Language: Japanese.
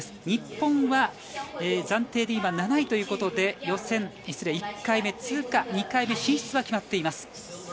日本は暫定で７位ということで１回目通過２回目進出が決まっています。